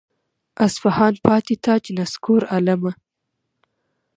اصفهان پاتې تاج نسکور عالمه.